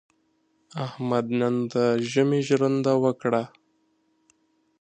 احمد نن د ژمي ژرنده وکړه.